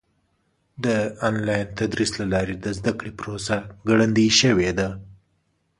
د آنلاین تدریس له لارې د زده کړې پروسه ګړندۍ شوې ده.